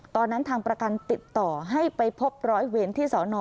ตอนนั้นทางประกันติดต่อให้ไปพบร้อยเว้นที่สน